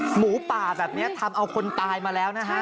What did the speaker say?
หมูป่าแบบนี้ทำเอาคนตายมาแล้วนะฮะ